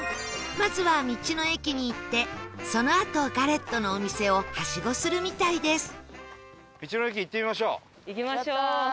まずは道の駅に行ってそのあとガレットのお店をハシゴするみたいです